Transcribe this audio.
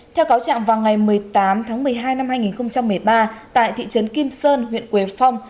theo cáo trạng vào ngày một mươi tám tháng một mươi hai năm hai nghìn một mươi ba tại thị trấn kim sơn huyện quế phong